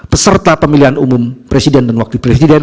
peserta pemilihan umum presiden dan wakil presiden